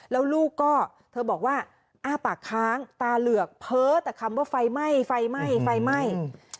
แล้วลูกก็เธอบอกว่าอ้าปากค้างตาเหลือกเพ้อแต่คำว่าไฟไหม้ไฟไหม้ไฟไหม้